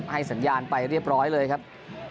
ให้สัญญาณไปเรียบร้อยเลยครับ